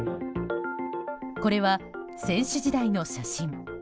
これは選手時代の写真。